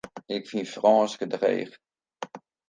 Ik fyn Frânsk dreech.